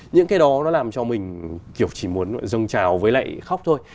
những cái đó nó làm cho mình kiểu chỉ muốn rồng trào với lại khóc thôi